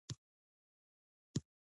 د جهانګیر پاچا زوی خسرو ناکام بغاوت وکړ.